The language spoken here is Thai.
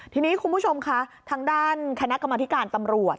ทีนี้คุณผู้ชมค่ะทางด้านคณะกรรมธิการตำรวจ